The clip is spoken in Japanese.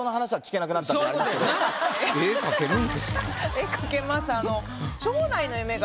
絵描けます。